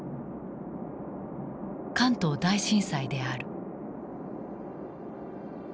関東大震災である。